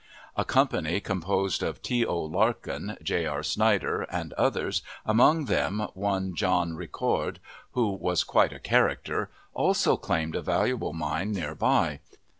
A company composed of T. O. Larkin, J. R. Snyder, and others, among them one John Ricord (who was quite a character), also claimed a valuable mine near by.